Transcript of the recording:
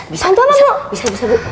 bantuan mba bu